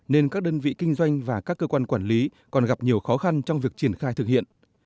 nên các đơn vị kinh doanh và các cơ quan quản lý còn gặp nhiều khó khăn trong việc triển khai thực hiện